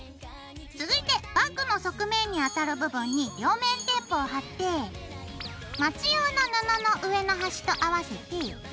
続いてバッグの側面にあたる部分に両面テープを貼ってマチ用の布の上の端と合わせて。